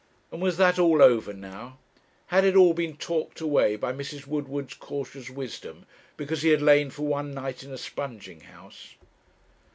And was that all over now? Had it all been talked away by Mrs. Woodward's cautious wisdom, because he had lain for one night in a sponging house?